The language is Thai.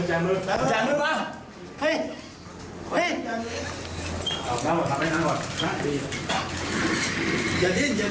เฮ่ย